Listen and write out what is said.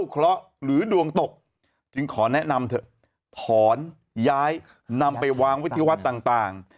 จึงขอแนะนำเถอะถอนย้ายนำไปวางวิธีวัตรต่างต่าง